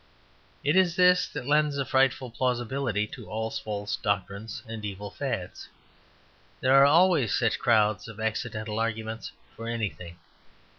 It is this that lends a frightful plausibility to all false doctrines and evil fads. There are always such crowds of accidental arguments for anything.